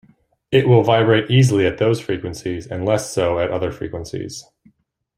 It will vibrate easily at those frequencies, and less so at other frequencies.